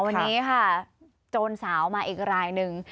วันนี้ค่ะโจรสาวมาอีกรายหนึ่ง